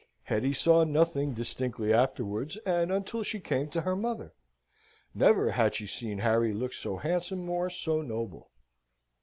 Hetty saw nothing distinctly afterwards, and until she came to her mother. Never had she seen Harry look so handsome or so noble.